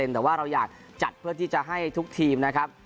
แต่ว่าเราอยากจัดเพื่อที่จะให้ทุกทีมนะครับ